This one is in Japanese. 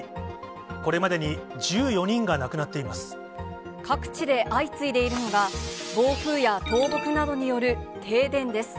これまでに１４人が亡くなってい各地で相次いでいるのが、暴風や倒木などによる停電です。